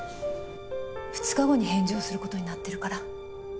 ２日後に返事をすることになってるから。